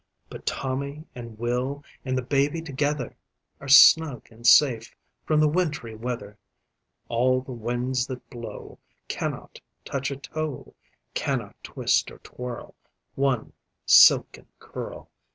But Tommy and Will and the baby together Are snug and safe from the wintry weather. All the winds that blow Cannot touch a toe Cannot twist or twirl One silken curl.